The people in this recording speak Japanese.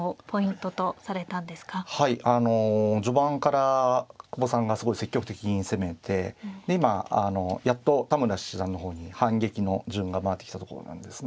あの序盤から久保さんがすごい積極的に攻めてで今やっと田村七段の方に反撃の順が回ってきたところなんですね。